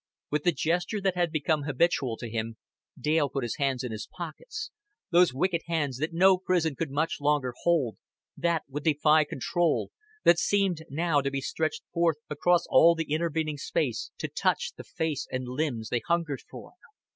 With the gesture that had become habitual to him, Dale put his hands in his pockets those wicked hands that no prison could much longer hold, that would defy control, that seemed now to be stretched forth across all the intervening space to touch the face and limbs they hungered for.